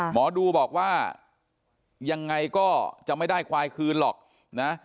หมอดูบอกว่ายังไงก็จะไม่ได้ควายคืนหรอกนะ